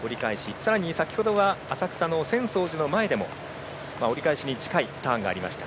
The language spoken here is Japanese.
さらに先ほどは浅草の浅草寺の前でも折り返しに近いターンがありました。